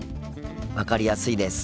分かりやすいです。